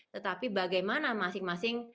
tetapi bagaimana masing masing